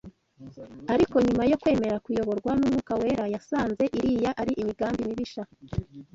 ariko nyuma yo kwemera kuyoborwa n’umwuka wera yasanze iriya ari imigambi mibisha